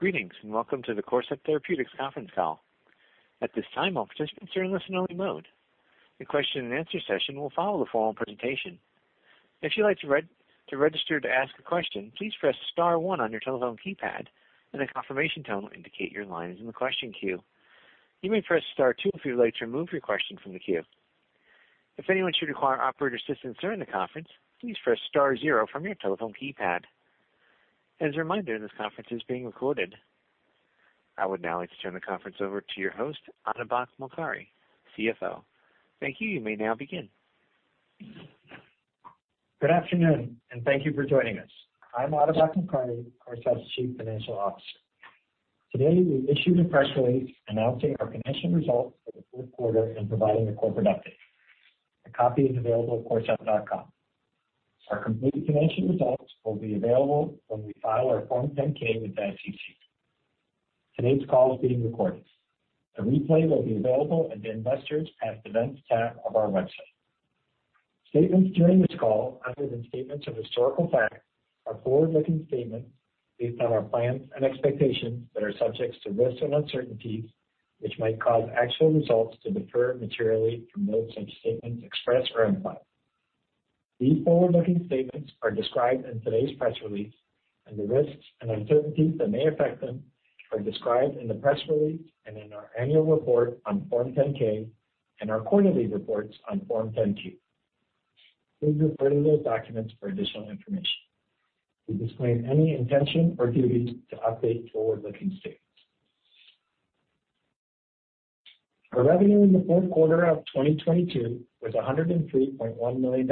Greetings, and welcome to the Corcept Therapeutics Conference Call. At this time, all participants are in listen-only mode. The question-and-answer session will follow the formal presentation. If you'd like to register to ask a question, please press star one on your telephone keypad and a confirmation tone will indicate your line is in the question queue. You may press star two if you'd like to remove your question from the queue. If anyone should require operator assistance during the conference, please press star zero from your telephone keypad. As a reminder, this conference is being recorded. I would now like to turn the conference over to your host, Atabak Mokari, CFO. Thank you. You may now begin. Good afternoon. Thank you for joining us. I'm Atabak Mokari, Corcept's Chief Financial Officer. Today, we've issued a press release announcing our financial results for the fourth quarter and providing a corporate update. A copy is available at corcept.com. Our completed financial results will be available when we file our Form 10-K with the SEC. Today's call is being recorded. A replay will be available at investors at events tab of our website. Statements during this call, other than statements of historical fact, are forward-looking statements based on our plans and expectations that are subjects to risks and uncertainties, which might cause actual results to differ materially from those such statements expressed or implied. These forward-looking statements are described in today's press release, and the risks and uncertainties that may affect them are described in the press release and in our annual report on Form 10-K and our quarterly reports on Form 10-Q. Please refer to those documents for additional information. We disclaim any intention or duty to update forward-looking statements. Our revenue in the fourth quarter of 2022 was $103.1 million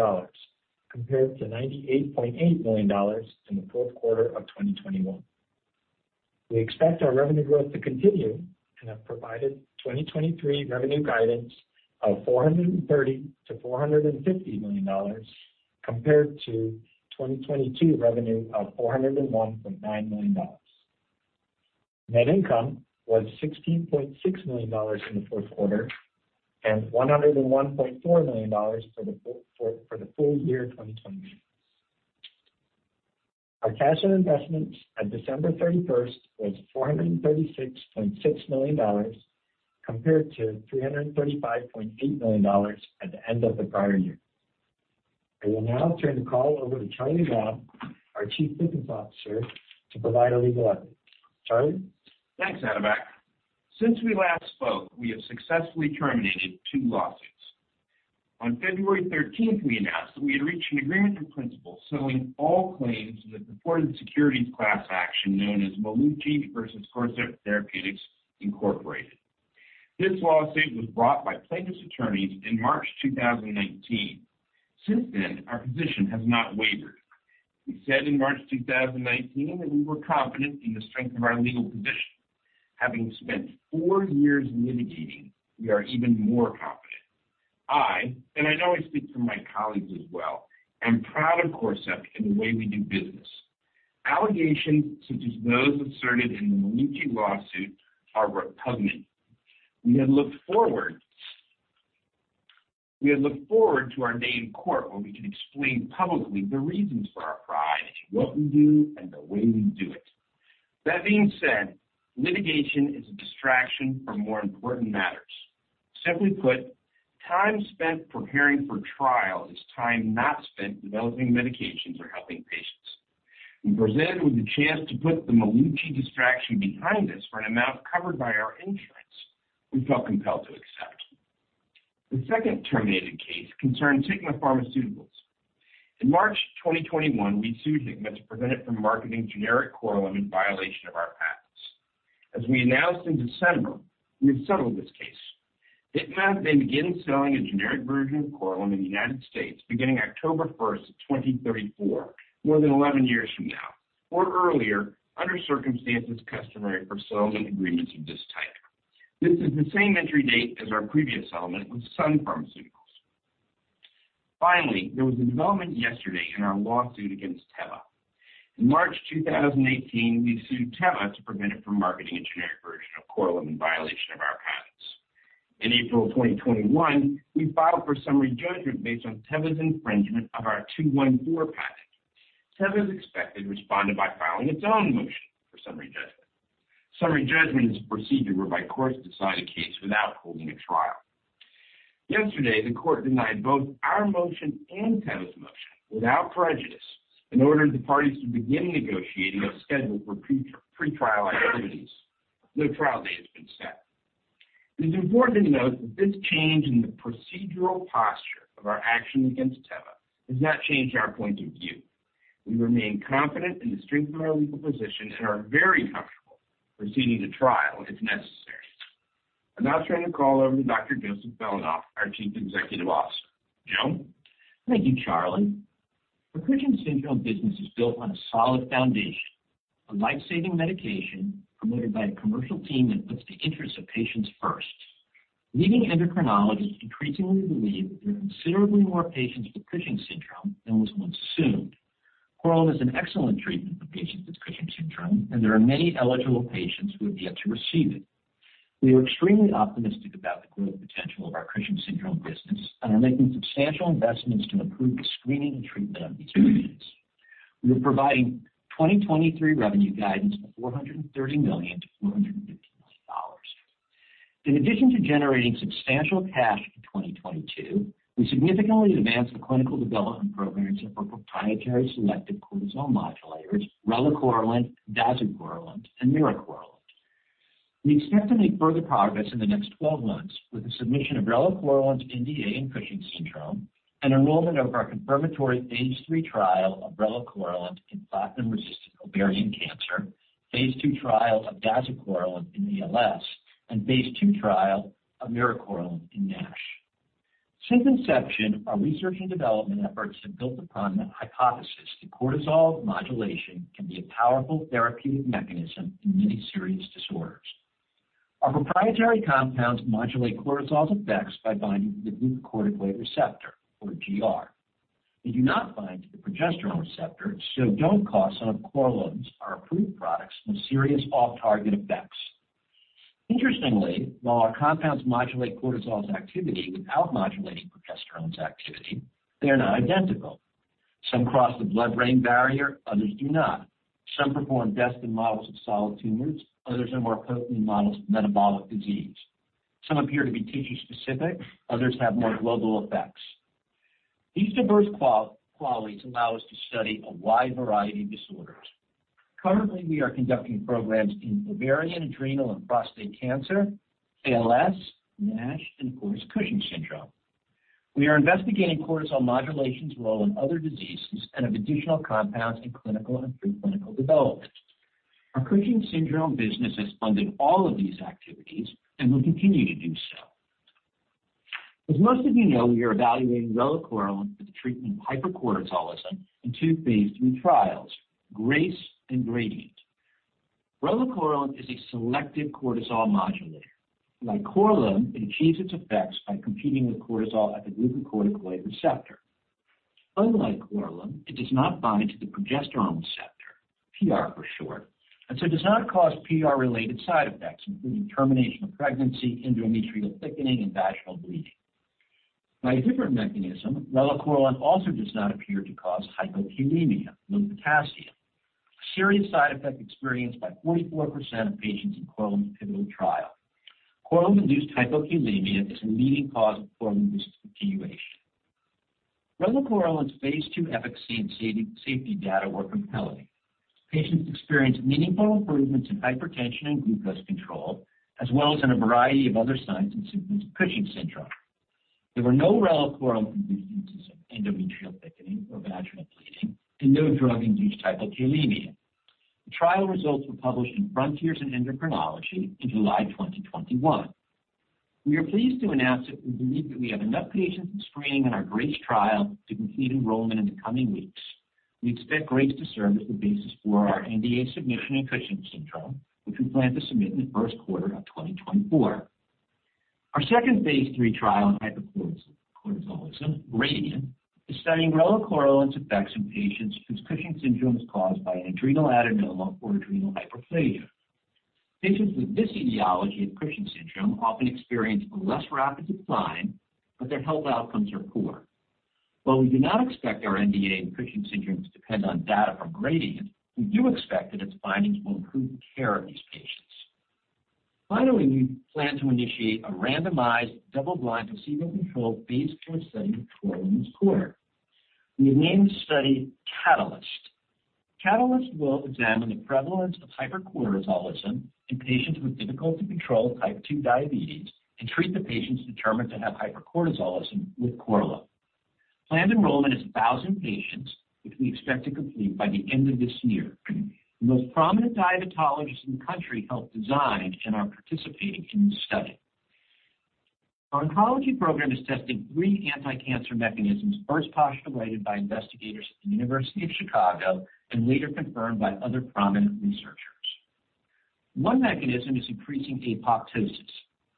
compared to $98.8 million in the fourth quarter of 2021. We expect our revenue growth to continue and have provided 2023 revenue guidance of $430 million-$450 million compared to 2022 revenue of $401.9 million. Net income was $16.6 million in the fourth quarter and $101.4 million for the full year 2021. Our cash and investments at December thirty-first was $436.6 million compared to $335.8 million at the end of the prior year. I will now turn the call over to Charlie Robb, our Chief Business Officer, to provide a legal update. Charlie? Thanks, Atabak. Since we last spoke, we have successfully terminated two lawsuits. On February 13th, we announced that we had reached an agreement in principle, settling all claims in the purported securities class action known as Melucci versus Corcept Therapeutics Incorporated. This lawsuit was brought by plaintiff's attorneys in March 2019. Since then, our position has not wavered. We said in March 2019 that we were confident in the strength of our legal position. Having spent four years litigating, we are even more confident. I, and I know I speak for my colleagues as well, am proud of Corcept and the way we do business. Allegations such as those asserted in the Melucci lawsuit are repugnant. We had looked forward-- We had looked forward to our day in court when we can explain publicly the reasons for our pride in what we do and the way we do it. Litigation is a distraction from more important matters. Simply put, time spent preparing for trial is time not spent developing medications or helping patients. When presented with the chance to put the Melucci distraction behind us for an amount covered by our insurance, we felt compelled to accept. The second terminated case concerned Sigma Pharmaceuticals. In March 2021, we sued Sigma to prevent it from marketing generic Korlym in violation of our patents. As we announced in December, we have settled this case. Sigma may begin selling a generic version of Korlym in the United States beginning October 1st, 2034, more than 11 years from now, or earlier, under circumstances customary for settlement agreements of this type. This is the same entry date as our previous settlement with Sun Pharmaceuticals. Finally, there was a development yesterday in our lawsuit against Teva. In March 2018, we sued Teva to prevent it from marketing a generic version of Korlym in violation of our patents. In April 2021, we filed for summary judgment based on Teva's infringement of our '214 patent. Teva, as expected, responded by filing its own motion for summary judgment. Summary judgment is a procedure whereby courts decide a case without holding a trial. Yesterday, the court denied both our motion and Teva's motion without prejudice and ordered the parties to begin negotiating a schedule for pre-trial activities. No trial date has been set. It is important to note that this change in the procedural posture of our action against Teva has not changed our point of view. We remain confident in the strength of our legal position and are very comfortable proceeding to trial if necessary. I'll now turn the call over to Dr. Joseph Belanoff, our Chief Executive Officer. Joe? Thank you, Charlie. Our Cushing's syndrome business is built on a solid foundation, a life-saving medication promoted by a commercial team that puts the interests of patients first. Leading endocrinologists increasingly believe that there are considerably more patients with Cushing's syndrome than was once assumed. Korlym is an excellent treatment for patients with Cushing's syndrome, and there are many eligible patients who have yet to receive it. We are extremely optimistic about the growth potential of our Cushing's syndrome business and are making substantial investments to improve the screening and treatment of these patients. We are providing 2023 revenue guidance of $430 million-$450 million. In addition to generating substantial cash in 2022, we significantly advanced the clinical development programs of our proprietary selected cortisol modulators, relacorilant, dazucorilant, and miricorilant. We expect to make further progress in the next 12 months with the submission of relacorilant's NDA in Cushing's syndrome and enrollment of our confirmatory phase III trial of relacorilant in platinum-resistant ovarian cancer, phase II trial of dazucorilant in ALS, and phase II trial of miricorilant in NASH. Since inception, our research and development efforts have built upon the hypothesis that cortisol modulation can be a powerful therapeutic mechanism in many serious disorders. Our proprietary compounds modulate cortisol's effects by binding to the glucocorticoid receptor or GR. They do not bind to the progesterone receptor, so don't cause some of Korlym's, our approved products, more serious off-target effects. Interestingly, while our compounds modulate cortisol's activity without modulating progesterone's activity, they are not identical. Some cross the blood-brain barrier, others do not. Some perform best in models of solid tumors, others are more potent in models of metabolic disease. Some appear to be tissue-specific, others have more global effects. These diverse qualities allow us to study a wide variety of disorders. Currently, we are conducting programs in ovarian, adrenal, and prostate cancer, ALS, NASH, and of course, Cushing's syndrome. We are investigating cortisol modulation's role in other diseases and have additional compounds in clinical and pre-clinical development. Our Cushing's syndrome business is funding all of these activities and will continue to do so. As most of you know, we are evaluating relacorilant for the treatment of hypercortisolism in two phase III trials, GRACE and GRADIENT. Relacorilant is a selective cortisol modulator. Like Korlym, it achieves its effects by competing with cortisol at the glucocorticoid receptor. Unlike Korlym, it does not bind to the progesterone receptor, PR for short, and so does not cause PR-related side effects, including termination of pregnancy, endometrial thickening, and vaginal bleeding. By a different mechanism, relacorilant also does not appear to cause hypokalemia, low potassium, a serious side effect experienced by 44% of patients in Korlym's pivotal trial. Korlym-induced hypokalemia is a leading cause of Korlym discontinuation. Relacorilant's phase II efficacy and safety data were compelling. Patients experienced meaningful improvements in hypertension and glucose control, as well as in a variety of other signs and symptoms of Cushing's syndrome. There were no relacorilant-induced instances of endometrial thickening or vaginal bleeding and no drug-induced hypokalemia. The trial results were published in Frontiers in Endocrinology in July 2021. We are pleased to announce that we believe that we have enough patients in screening in our GRACE trial to complete enrollment in the coming weeks. We expect GRACE to serve as the basis for our NDA submission in Cushing's syndrome, which we plan to submit in the first quarter of 2024. Our second phase III trial in hypercortisolism, GRADIENT, is studying relacorilant's effects in patients whose Cushing's syndrome is caused by an adrenal adenoma or adrenal hyperplasia. Patients with this etiology of Cushing's syndrome often experience a less rapid decline, but their health outcomes are poorer. While we do not expect our NDA in Cushing's syndrome to depend on data from GRADIENT, we do expect that its findings will improve the care of these patients. Finally, we plan to initiate a randomized, double-blind, placebo-controlled phase II study of Korlym this quarter. We have named the study CATALYST. CATALYST will examine the prevalence of hypercortisolism in patients with difficult-to-control type 2 diabetes and treat the patients determined to have hypercortisolism with Korlym. Planned enrollment is 1,000 patients, which we expect to complete by the end of this year. The most prominent diabetologists in the country helped design and are participating in this study. Our oncology program is testing three anti-cancer mechanisms first postulated by investigators at the University of Chicago and later confirmed by other prominent researchers. One mechanism is increasing apoptosis,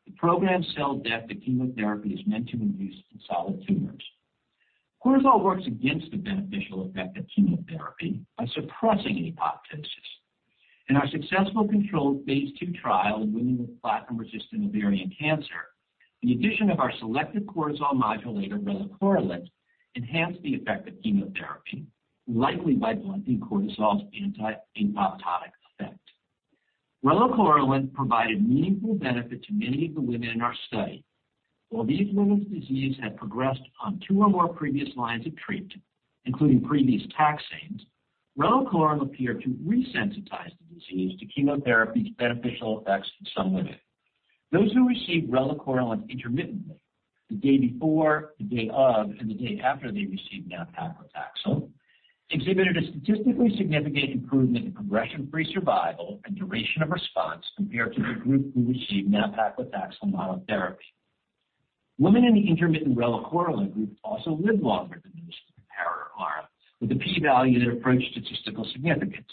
the programmed cell death that chemotherapy is meant to induce in solid tumors. Cortisol works against the beneficial effect of chemotherapy by suppressing apoptosis. In our successful controlled phase II trial in women with platinum-resistant ovarian cancer, the addition of our selective cortisol modulator, relacorilant, enhanced the effect of chemotherapy, likely by blunting cortisol's anti-apoptotic effect. Relacorilant provided meaningful benefit to many of the women in our study. While these women's disease had progressed on two or more previous lines of treatment, including previous taxanes, relacorilant appeared to resensitize the disease to chemotherapy's beneficial effects in some women. Those who received relacorilant intermittently, the day before, the day of, and the day after they received nab-paclitaxel, exhibited a statistically significant improvement in progression-free survival and duration of response compared to the group who received nab-paclitaxel monotherapy. Women in the intermittent relacorilant group also lived longer than those in the comparator arm with a P value that approached statistical significance.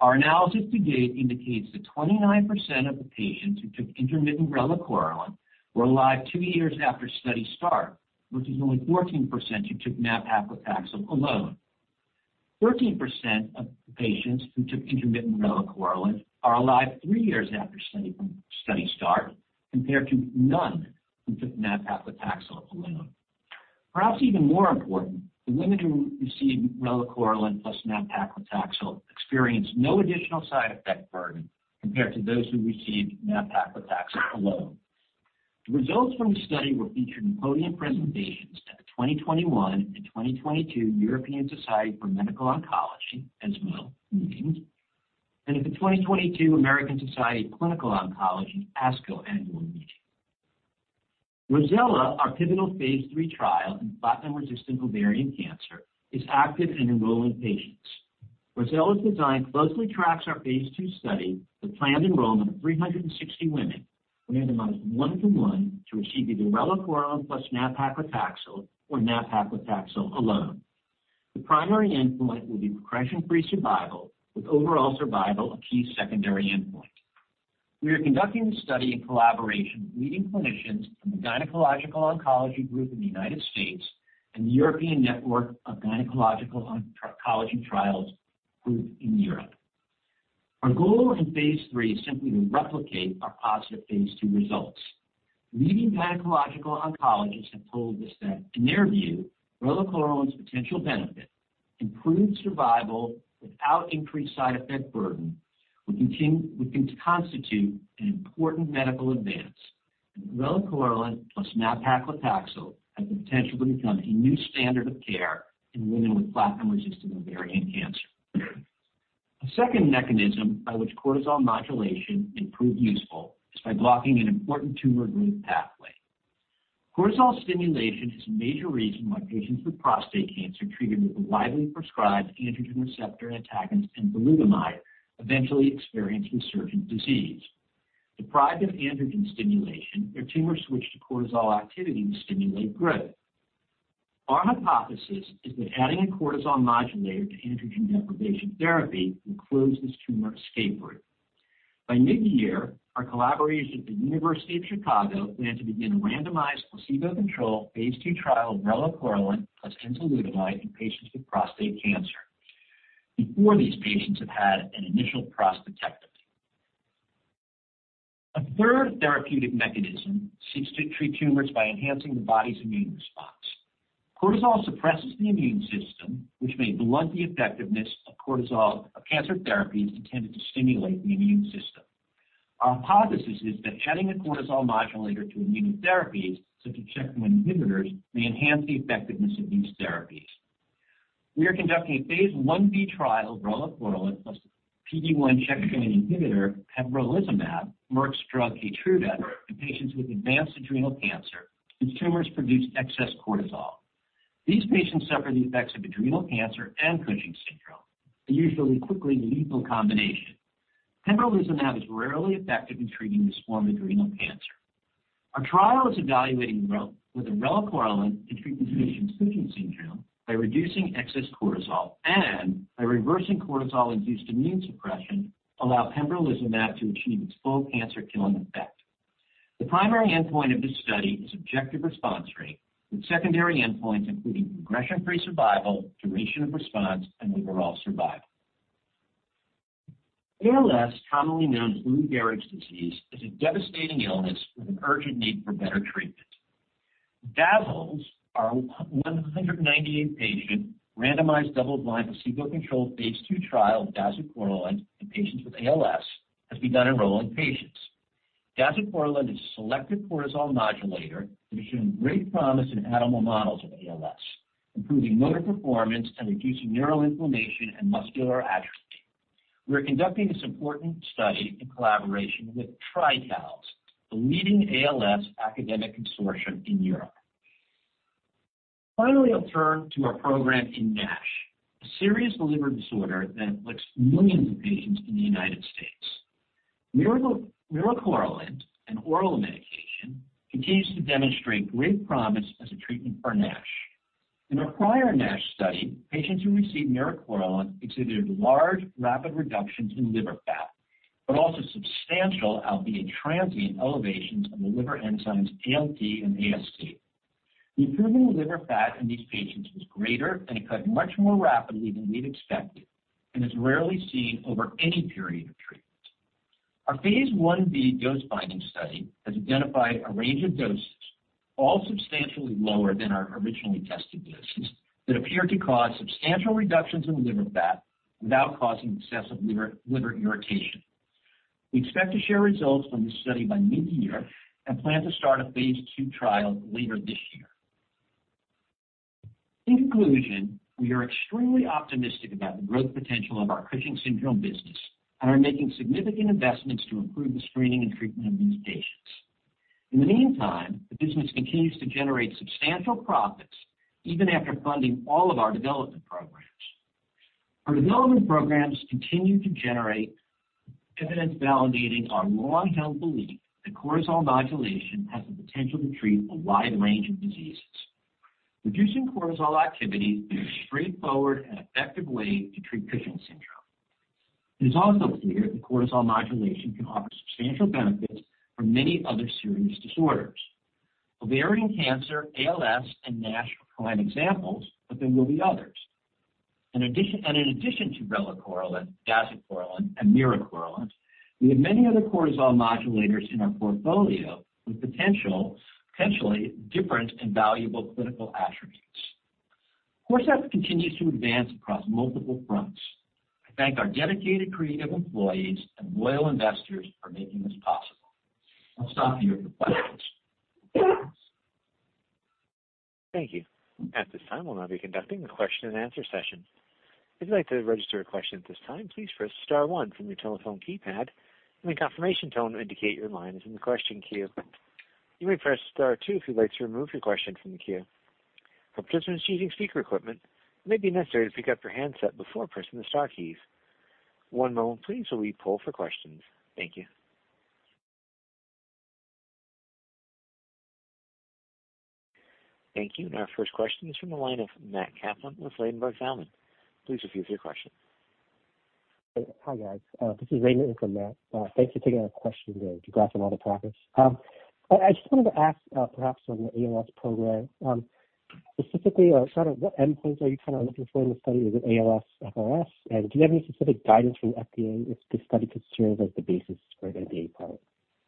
Our analysis to date indicates that 29% of the patients who took intermittent relacorilant were alive two years after study start, versus only 14% who took nab-paclitaxel alone. 13% of patients who took intermittent relacorilant are alive three years after study from study start, compared to none who took nab-paclitaxel alone. Perhaps even more important, the women who received relacorilant plus nab-paclitaxel experienced no additional side effect burden compared to those who received nab-paclitaxel alone. The results from the study were featured in podium presentations at the 2021 and 2022 European Society for Medical Oncology, ESMO meetings, and at the 2022 American Society of Clinical Oncology, ASCO annual meeting. ROSELLA, our pivotal phase III trial in platinum-resistant ovarian cancer, is active in enrolling patients. ROSELLA's design closely tracks our phase II study with planned enrollment of 360 women randomized one-to-one to achieve either relacorilant plus nab-paclitaxel or nab-paclitaxel alone. The primary endpoint will be progression-free survival, with overall survival a key secondary endpoint. We are conducting the study in collaboration with leading clinicians from the Gynecologic Oncology Group in the United States and the European Network for Gynaecological Oncological Trial groups in Europe. Our goal in phase III is simply to replicate our positive phase II results. Leading gynecological oncologists have told us that in their view, relacorilant's potential benefit, improved survival without increased side effect burden, would constitute an important medical advance. Relacorilant plus nab-paclitaxel has the potential to become a new standard of care in women with platinum-resistant ovarian cancer. A second mechanism by which cortisol modulation can prove useful is by blocking an important tumor growth pathway. Cortisol stimulation is a major reason why patients with prostate cancer treated with the widely prescribed androgen receptor antagonists and enzalutamide eventually experience resurgent disease. Deprived of androgen stimulation, their tumors switch to cortisol activity to stimulate growth. Our hypothesis is that adding a cortisol modulator to androgen deprivation therapy will close this tumor escape route. By mid-year, our collaboration with the University of Chicago plans to begin a randomized placebo-controlled phase II trial of relacorilant plus enzalutamide in patients with prostate cancer before these patients have had an initial prostatectomy. A third therapeutic mechanism seeks to treat tumors by enhancing the body's immune response. Cortisol suppresses the immune system, which may blunt the effectiveness of cancer therapies intended to stimulate the immune system. Our hypothesis is that adding a cortisol modulator to immunotherapies, such as checkpoint inhibitors, may enhance the effectiveness of these therapies. We are conducting a phase 1b trial of relacorilant plus PD-1 checkpoint inhibitor pembrolizumab, Merck's drug KEYTRUDA, in patients with advanced adrenal cancer whose tumors produce excess cortisol. These patients suffer the effects of adrenal cancer and Cushing's syndrome, a usually quickly lethal combination. Pembrolizumab is rarely effective in treating this form of adrenal cancer. Our trial is evaluating whether relacorilant can treat the patient's Cushing's syndrome by reducing excess cortisol and, by reversing cortisol-induced immune suppression, allow pembrolizumab to achieve its full cancer-killing effect. The primary endpoint of this study is objective response rate, with secondary endpoints including progression-free survival, duration of response, and overall survival. ALS, commonly known as Lou Gehrig's disease, is a devastating illness with an urgent need for better treatment. DAZALS, our 198-patient randomized double-blind placebo-controlled phase II trial of dazucorilant in patients with ALS, has begun enrolling patients. Dazucorilant is a selective cortisol modulator that has shown great promise in animal models of ALS, improving motor performance and reducing neural inflammation and muscular atrophy. We are conducting this important study in collaboration with TRICALS, the leading ALS academic consortium in Europe. I'll turn to our program in NASH, a serious liver disorder that afflicts millions of patients in the United States. Miricorilant, an oral medication, continues to demonstrate great promise as a treatment for NASH. In our prior NASH study, patients who received miricorilant exhibited large, rapid reductions in liver fat, but also substantial albeit transient elevations of the liver enzymes ALT and AST. The improvement in liver fat in these patients was greater and occurred much more rapidly than we'd expected and is rarely seen over any period of treatment. Our phase 1b dose-finding study has identified a range of doses, all substantially lower than our originally tested doses, that appear to cause substantial reductions in liver fat without causing excessive liver irritation. We expect to share results from this study by mid-year and plan to start a phase II trial later this year. In conclusion, we are extremely optimistic about the growth potential of our Cushing's syndrome business and are making significant investments to improve the screening and treatment of these patients. In the meantime, the business continues to generate substantial profits even after funding all of our development programs. Our development programs continue to generate evidence validating our long-held belief that cortisol modulation has the potential to treat a wide range of diseases. Reducing cortisol activity is a straightforward and effective way to treat Cushing's syndrome. It is also clear that cortisol modulation can offer substantial benefits for many other serious disorders. Ovarian cancer, ALS, and NASH are prime examples, but there will be others. In addition to relacorilant, dazucorilant, and miricorilant, we have many other cortisol modulators in our portfolio with potentially different and valuable clinical attributes. Corcept Therapeutics continues to advance across multiple fronts. I thank our dedicated creative employees and loyal investors for making this possible. I'll stop here for questions. Thank you. At this time, we'll now be conducting the question-and-answer session. If you'd like to register a question at this time, please press star one from your telephone keypad and a confirmation tone to indicate your line is in the question queue. You may press star two if you'd like to remove your question from the queue. For participants using speaker equipment, it may be necessary to pick up your handset before pressing the star keys. One moment please, while we pull for questions. Thank you. Thank you. Our first question is from the line of Matt Kaplan with Ladenburg Thalmann. Please proceed with your question. Hi, guys. This is Raymond in for Matt. Thank you for taking our question today. Congrats on all the progress. I just wanted to ask, perhaps on the ALS program, specifically or kind of what endpoints are you kinda looking for in the study? Is it ALS FRS? Do you have any specific guidance from the FDA if this study could serve as the basis for an NDA filing?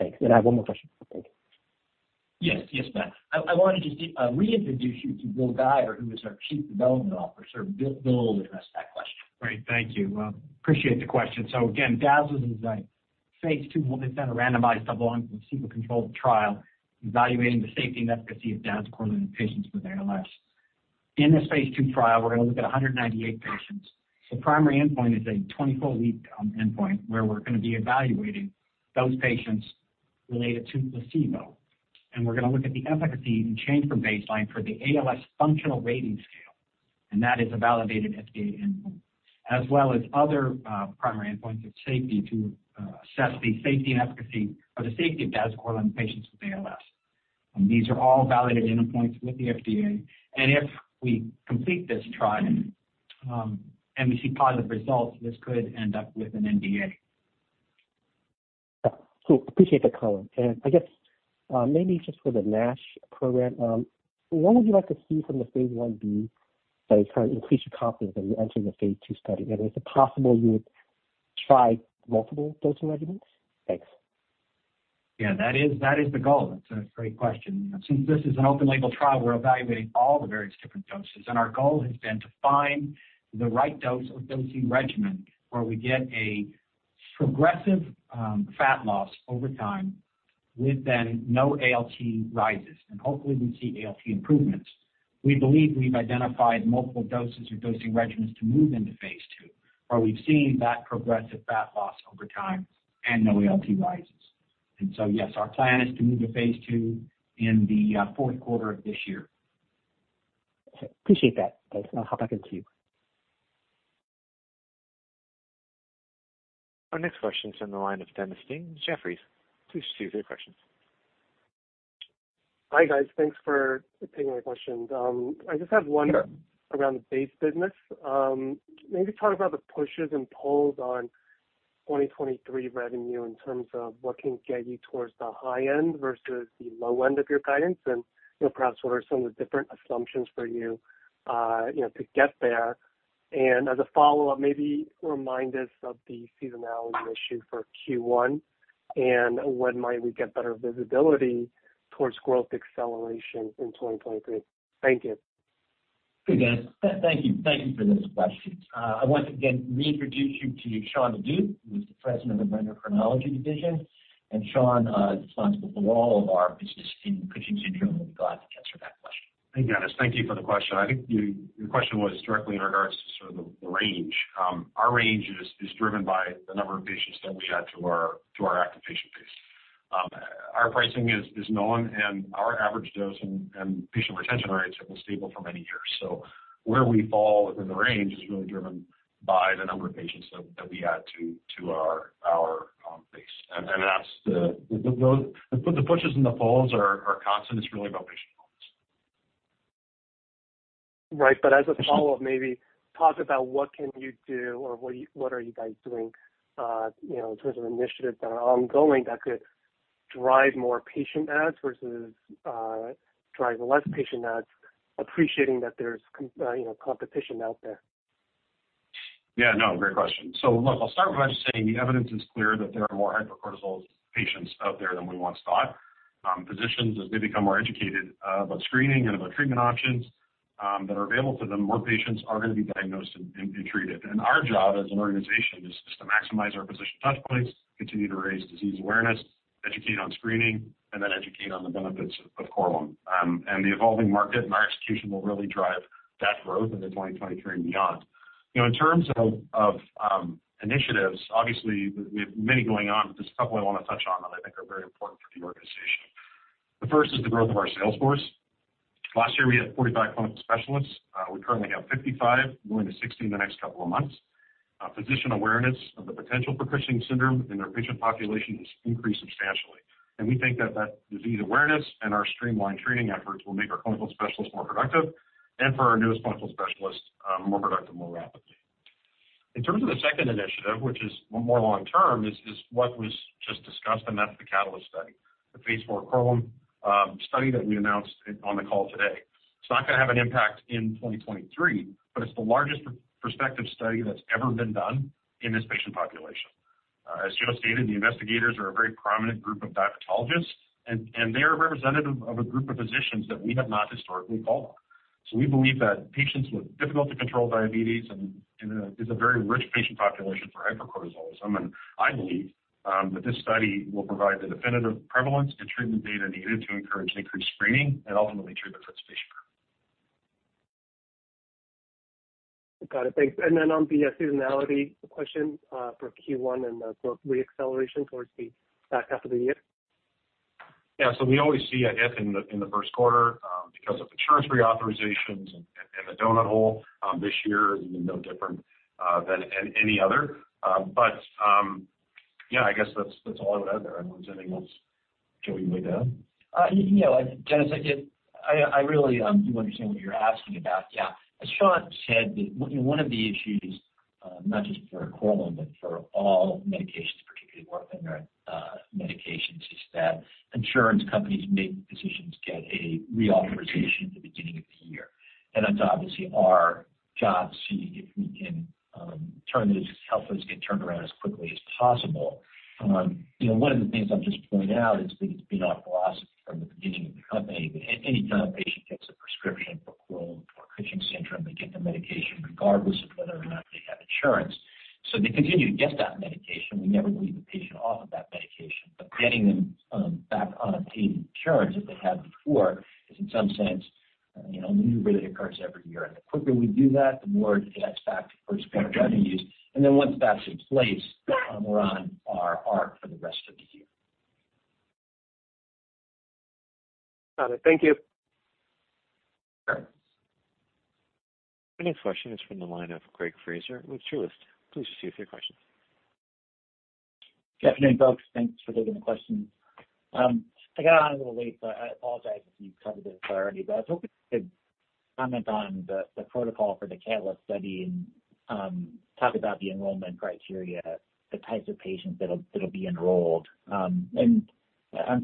Thanks. I have one more question. Thank you. Yes. Yes, Matt. I wanted to reintroduce you to Bill Guyer, who is our Chief Development Officer. Bill will address that question. Great. Thank you. appreciate the question. Again, DAZALS is a phase II home instead of randomized double-blind placebo-controlled trial, evaluating the safety and efficacy of dazucorilant in patients with ALS. In this phase II trial, we're gonna look at 198 patients. The primary endpoint is a 24-week endpoint, where we're gonna be evaluating those patients related to placebo. We're gonna look at the efficacy and change from baseline for the ALS functional rating scale, and that is a validated FDA endpoint. As well as other primary endpoints of safety to assess the safety and efficacy or the safety of dazucorilant in patients with ALS. These are all validated endpoints with the FDA. If we complete this trial, and we see positive results, this could end up with an NDA. Yeah, cool. Appreciate the color. I guess, maybe just for the NASH program, what would you like to see from the phase 1b that is kind of increasing confidence as you enter the phase II study? Is it possible you would try multiple dosing regimens? Thanks. Yeah, that is the goal. That's a great question. Since this is an open-label trial, we're evaluating all the various different doses. Our goal has been to find the right dose or dosing regimen where we get a progressive, fat loss over time with then no ALT rises. Hopefully we see ALT improvements. We believe we've identified multiple doses or dosing regimens to move into phase II, where we've seen that progressive fat loss over time and no ALT rises. Yes, our plan is to move to phase II in the fourth quarter of this year. Okay, appreciate that. Guys, I'll hop back into you. Our next question is from the line of Dennis Ding with Jefferies. Please choose your questions. Hi, guys. Thanks for taking my questions. I just have one around the base business. Maybe talk about the pushes and pulls on 2023 revenue in terms of what can get you towards the high end versus the low end of your guidance? You know, perhaps what are some of the different assumptions for you know, to get there? As a follow-up, maybe remind us of the seasonality issue for Q1, and when might we get better visibility towards growth acceleration in 2023? Thank you. Good. Thank you. Thank you for those questions. I want to again reintroduce you to Sean Maduck, who is the President of Corcept Endocrinology, and Sean is responsible for all of our business in Cushing's syndrome. He'll be glad to answer that question. Hey, Dennis. Thank you for the question. I think your question was directly in regards to the range. Our range is driven by the number of patients that we add to our active patient base. Our pricing is known and our average dose and patient retention rates have been stable for many years. Where we fall within the range is really driven by the number of patients that we add to our base. That's the pushes and the pulls are constant. It's really about patient counts. Right. As a follow-up, maybe talk about what can you do or what you, what are you guys doing, you know, in terms of initiatives that are ongoing that could drive more patient adds versus, drive less patient adds, appreciating that there's you know, competition out there? Yeah, no, great question. Look, I'll start by just saying the evidence is clear that there are more hypercortisol patients out there than we once thought. Physicians, as they become more educated, about screening and about treatment options, that are available to them, more patients are gonna be diagnosed and treated. Our job as an organization is just to maximize our physician touchpoints, continue to raise disease awareness, educate on screening, and then educate on the benefits of Korlym. The evolving market and our execution will really drive that growth into 2023 and beyond. You know, in terms of initiatives, obviously we have many going on, but there's a couple I wanna touch on that I think are very important for the organization. The first is the growth of our sales force. Last year, we had 45 clinical specialists. We currently have 55, going to 60 in the next couple of months. Physician awareness of the potential for Cushing's syndrome in their patient population has increased substantially. We think that that disease awareness and our streamlined training efforts will make our clinical specialists more productive and for our newest clinical specialists, more productive more rapidly. In terms of the second initiative, which is more long term, is what was just discussed, and that's the CATALYST study, the phase IV Korlym study that we announced on the call today. It's not gonna have an impact in 2023, it's the largest perspective study that's ever been done in this patient population. As Joe stated, the investigators are a very prominent group of diabetologists, and they are representative of a group of physicians that we have not historically called on. We believe that patients with difficult to control diabetes and is a very rich patient population for hypercortisolism. I believe that this study will provide the definitive prevalence to treatment data needed to encourage increased screening and ultimately treatment for this patient group. Got it. Thanks. Then on the seasonality question, for Q1 and the re-acceleration towards the back half of the year. Yeah. We always see a dip in the, in the first quarter, because of insurance reauthorizations and the donut hole, this year is no different than any other. Yeah, I guess that's all I would add there. I don't know if there's anything else, Joe, you'd like to add. You know, Dennis, I really do understand what you're asking about. Yeah. As Sean said, one of the issues, not just for Korlym, but for all medications, particularly orphan drug medications, is that insurance companies make decisions to get a reauthorization at the beginning of the year. That's obviously our job to see if we can help those get turned around as quickly as possible. You know, one of the things I'll just point out is that it's been our philosophy from the beginning of the company that any time a patient gets a prescription for Korlym for Cushing's syndrome, they get the medication regardless of whether or not they have insurance. They continue to get that medication. We never leave the patient off of that medication. Getting them back on a paid insurance that they had before is in some sense, you know, a new rate that occurs every year. The quicker we do that, the more it connects back to first quarter revenues. Once that's in place, we're on our arc for the rest of the year. Got it. Thank you. Sure. The next question is from the line of Greg Fraser with Truist. Please proceed with your question. Good afternoon, folks. Thanks for taking the question. I got on a little late, I apologize if you've covered this already. I was hoping you could comment on the protocol for the CATALYST study and talk about the enrollment criteria, the types of patients that'll be enrolled. I'm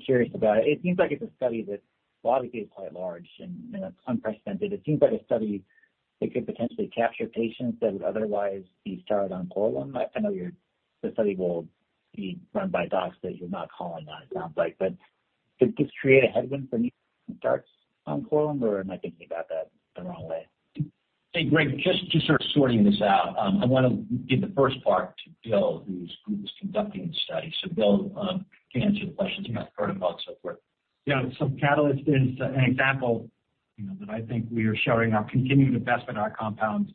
curious about it. It seems like it's a study that a lot of it is quite large and, you know, it's unprecedented. It seems like a study that could potentially capture patients that would otherwise be started on Korlym. I know the study will be run by docs that you're not calling on, it sounds like. Could this create a headwind for new starts on Korlym, or am I thinking about that the wrong way? Hey, Greg, just sort of sorting this out. I wanna give the first part to Bill, who's conducting the study. Bill can answer the questions about protocol and so forth. Yeah. CATALYST is an example, you know, that I think we are showing our continued investment in our compounds,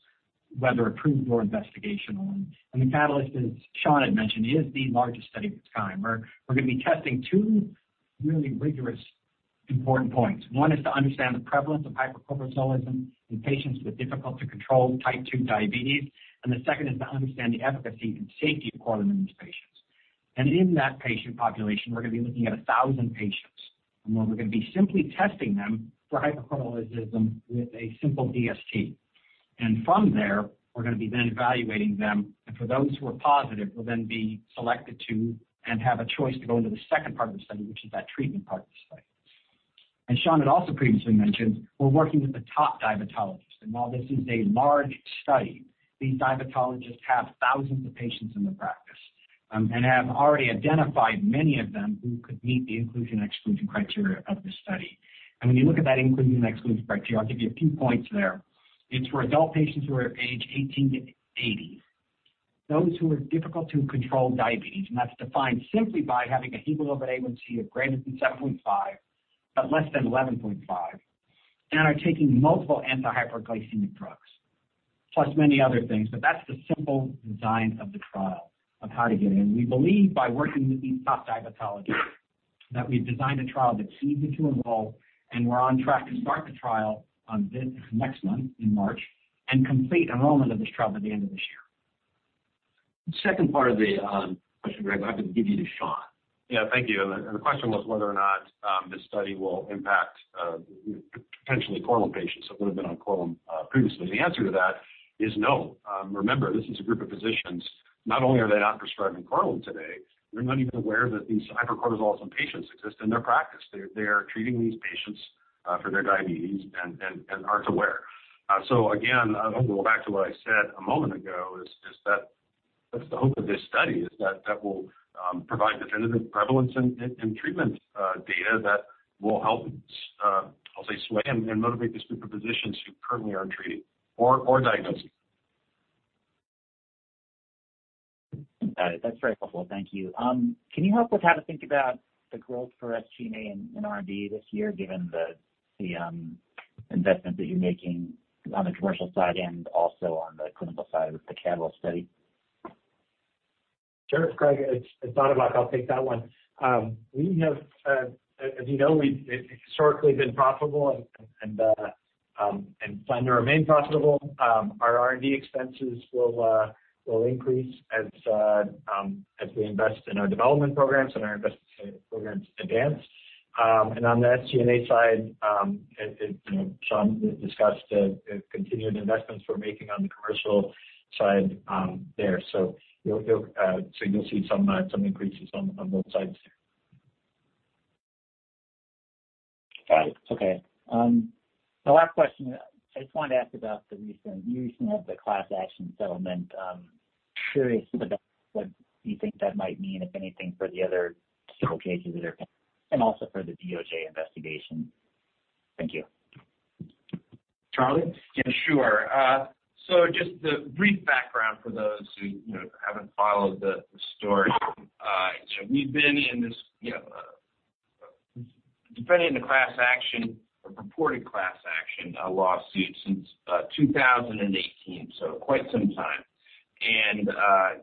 whether approved or investigational. The CATALYST, as Sean had mentioned, is the largest study of its kind, where we're gonna be testing two really rigorous important points. One is to understand the prevalence of hypercortisolism in patients with difficult to control type 2 diabetes. The second is to understand the efficacy and safety of Korlym in these patients. In that patient population, we're gonna be looking at 1,000 patients, and where we're gonna be simply testing them for hypercortisolism with a simple DST. From there, we're gonna be then evaluating them. For those who are positive, will then be selected to and have a choice to go into the second part of the study, which is that treatment part of the study. As Sean had also previously mentioned, we're working with the top diabetologists. While this is a large study, these diabetologists have thousands of patients in their practice, and have already identified many of them who could meet the inclusion, exclusion criteria of this study. When you look at that inclusion and exclusion criteria, I'll give you a few points there. It's for adult patients who are age 18 to 80, those who have difficult to control diabetes, and that's defined simply by having a hemoglobin A1C of greater than 7.5%, but less than 11.5%, and are taking multiple antihyperglycemic drugs, plus many other things. That's the simple design of the trial of how to get in. We believe by working with these top diabetologists that we've designed a trial that's easy to enroll, and we're on track to start the trial on this next month in March and complete enrollment of this trial by the end of this year. The second part of the question, Greg, I have to give you to Sean. Yeah. Thank you. The question was whether or not this study will impact potentially Korlym patients that would have been on Korlym previously. The answer to that is no. Remember, this is a group of physicians. Not only are they not prescribing Korlym today, they're not even aware that these hypercortisolism patients exist in their practice. They are treating these patients for their diabetes and aren't aware. Again, I'll go back to what I said a moment ago is that that's the hope of this study is that that will provide definitive prevalence in treatment data that will help, I'll say, sway and motivate this group of physicians who currently aren't treating or diagnosing. Got it. That's very helpful. Thank you. Can you help with how to think about the growth for SG&A and R&D this year, given the investment that you're making on the commercial side and also on the clinical side with the CATALYST study? Sure, Greg. It's not a lot. I'll take that one. We have, as you know, we've historically been profitable and plan to remain profitable. Our R&D expenses will increase as we invest in our development programs and our investment programs advance. On the SG&A side, you know, Sean discussed the continued investments we're making on the commercial side there. You'll see some increases on both sides there. Got it. Okay. The last question, I just wanted to ask about the recent of the class action settlement. Curious about what you think that might mean, if anything, for the other civil cases that are pending, and also for the DOJ investigation. Thank you. Charlie? Yeah, sure. Just the brief background for those who, you know, haven't followed the story. We've been in this, you know, defending the class action or purported class action lawsuit since 2018, so quite some time.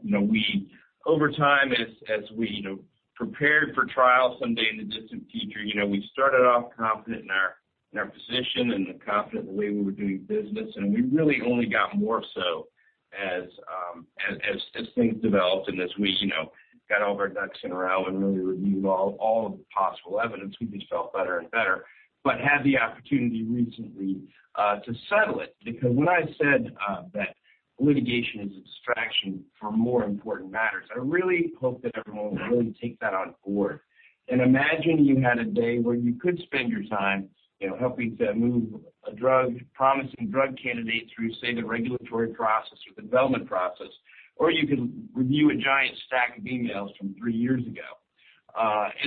You know, over time, as we, you know, prepared for trial someday in the distant future, you know, we started off confident in our position and confident in the way we were doing business. We really only got more so as things developed and as we, you know, got all of our ducks in a row and really reviewed all of the possible evidence, we just felt better and better. Had the opportunity recently to settle it. When I said that litigation is a distraction from more important matters, I really hope that everyone will really take that on board. Imagine you had a day where you could spend your time, you know, helping to move a drug, promising drug candidate through, say, the regulatory process or development process, or you could review a giant stack of emails from three years ago.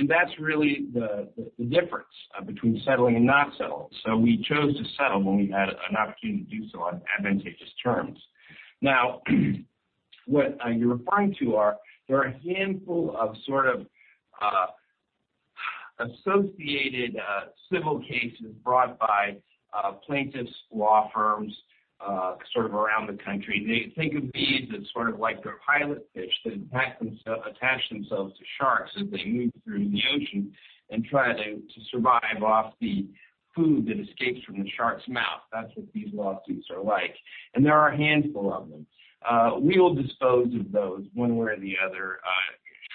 That's really the difference between settling and not settling. We chose to settle when we had an opportunity to do so on advantageous terms. What you're referring to are, there are a handful of sort of associated civil cases brought by plaintiffs' law firms sort of around the country. They think of these as sort of like their pilot fish that attach themselves to sharks as they move through the ocean and try to survive off the food that escapes from the shark's mouth. That's what these lawsuits are like, and there are a handful of them. We will dispose of those one way or the other,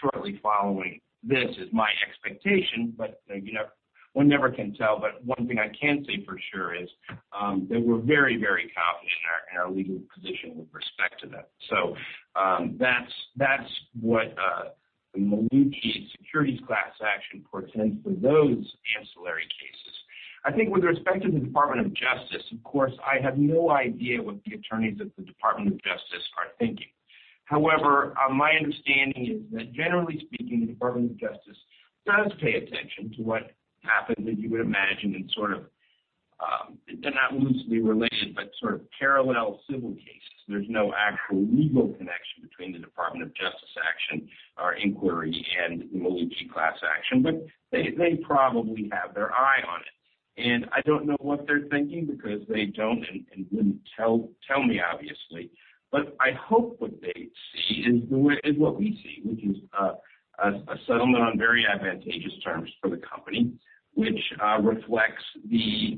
shortly following this, is my expectation. You know, one never can tell. One thing I can say for sure is that we're very, very confident in our legal position with respect to them. That's what the Melucci securities class action portends for those ancillary cases. I think with respect to the Department of Justice, of course, I have no idea what the attorneys at the Department of Justice are thinking. My understanding is that generally speaking, the Department of Justice does pay attention to what happens, as you would imagine, in sort of, they're not loosely related, but sort of parallel civil cases. There's no actual legal connection between the Department of Justice action or inquiry and the Melucci class action, they probably have their eye on it. I don't know what they're thinking because they don't and wouldn't tell me, obviously. I hope what they see is what we see, which is a settlement on very advantageous terms for the company, which reflects the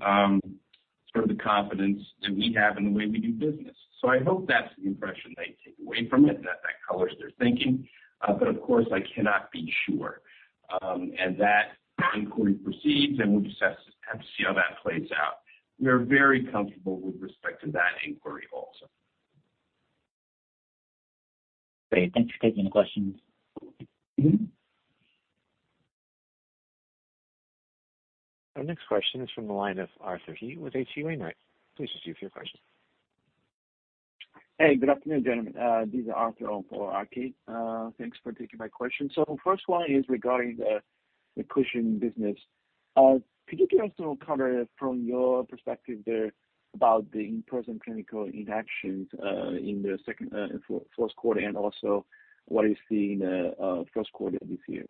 sort of the confidence that we have in the way we do business. I hope that's the impression they take away from it and that that colors their thinking. Of course, I cannot be sure. That inquiry proceeds, and we'll just have to see how that plays out. We're very comfortable with respect to that inquiry also. Great. Thanks for taking the questions. Our next question is from the line of Arthur He with H.C. Wainwright. Please proceed with your question. Hey, good afternoon, gentlemen. This is Arthur on for RK. Thanks for taking my question. First one is regarding the Cushing's business. Could you give us some color from your perspective there about the in-person clinical interactions, in the second and fourth quarter, and also what is the first quarter this year?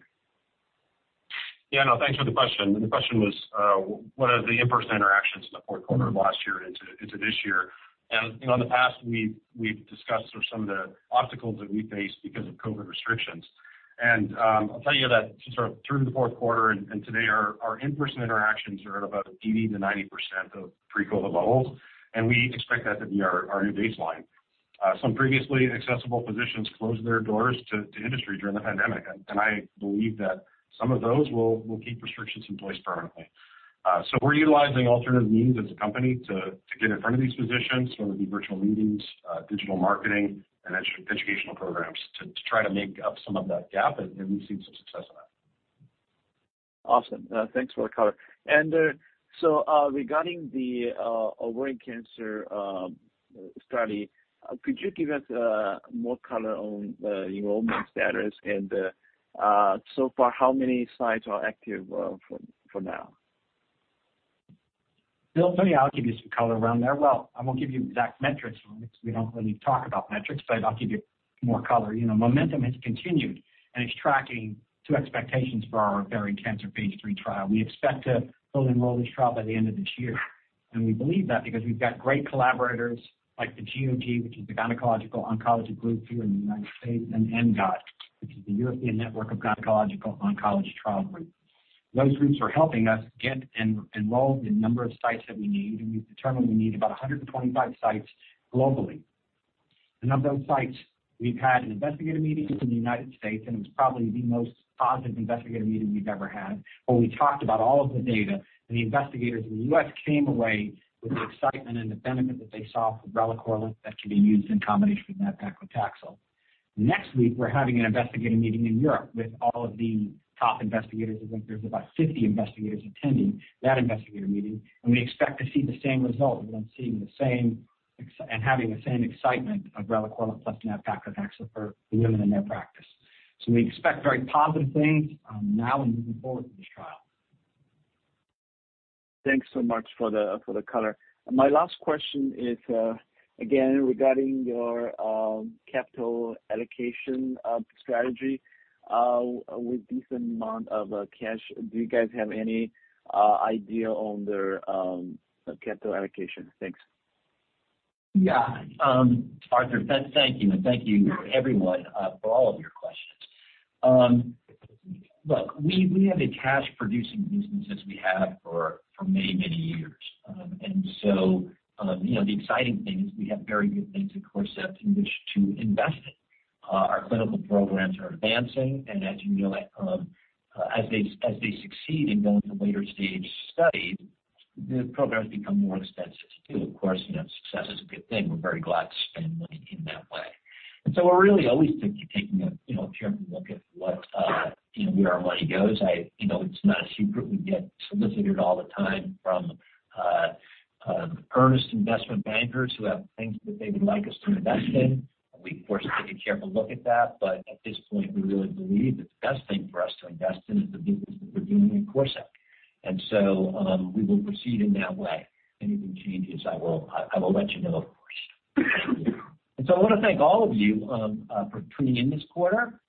Yeah, no, thanks for the question. The question was, what are the in-person interactions in the fourth quarter of last year into this year? You know, in the past, we've discussed sort of some of the obstacles that we faced because of COVID restrictions. I'll tell you that sort of through the fourth quarter and today our in-person interactions are at about 80% to 90% of pre-COVID levels, and we expect that to be our new baseline. Some previously inaccessible physicians closed their doors to industry during the pandemic, and I believe that some of those will keep restrictions in place permanently. We're utilizing alternative means as a company to get in front of these physicians, whether it be virtual meetings, digital marketing and educational programs to try to make up some of that gap. We've seen some success in that. Awesome. Thanks for the color. Regarding the ovarian cancer study, could you give us more color on the enrollment status? How many sites are active for now? Bill Guyer here, I'll give you some color around there. Well, I won't give you exact metrics on it 'cause we don't really talk about metrics, but I'll give you more color. You know, momentum has continued, it's tracking to expectations for our ovarian cancer phase III trial. We expect to fully enroll this trial by the end of this year. We believe that because we've got great collaborators like the GOG, which is the Gynecologic Oncology Group here in the United States, and ENGOT, which is the European Network of Gynaecological Oncology Trial Group. Those groups are helping us get enrolled in number of sites that we need, and we've determined we need about 125 sites globally. Of those sites, we've had an investigator meeting within the United States, and it was probably the most positive investigator meeting we've ever had, where we talked about all of the data, and the investigators in the U.S. came away with the excitement and the benefit that they saw for relacorilant that could be used in combination with nab-paclitaxel. Next week, we're having an investigator meeting in Europe with all of the top investigators. I think there's about 50 investigators attending that investigator meeting, and we expect to see the same result. We're then seeing the same and having the same excitement of relacorilant plus nab-paclitaxel for the women in their practice. We expect very positive things, now and moving forward with this trial. Thanks so much for the color. My last question is again, regarding your capital allocation strategy, with decent amount of cash. Do you guys have any idea on the capital allocation? Thanks. Yeah. Arthur, thank you. Thank you everyone, for all of your questions. Look, we have a cash-producing business as we have for many, many years. You know, the exciting thing is we have very good things at Corcept in which to invest in. Our clinical programs are advancing. As you know, as they succeed in going to later-stage studies, the programs become more extensive too. Of course, you know, success is a good thing. We're very glad to spend money in that way. We're really always taking a, you know, careful look at what, you know, where our money goes. You know, it's not a secret. We get solicited all the time from earnest investment bankers who have things that they would like us to invest in. We, of course, take a careful look at that, but at this point, we really believe that the best thing for us to invest in is the business that we're doing in Corcept. We will proceed in that way. If anything changes, I will let you know, of course. I wanna thank all of you for tuning in this quarter.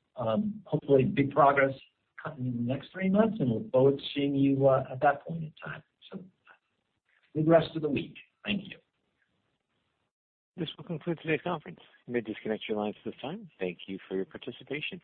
Hopefully big progress coming in the next three months, and we'll both seeing you at that point in time. Good rest of the week. Thank you. This will conclude today's conference. You may disconnect your lines at this time. Thank you for your participation.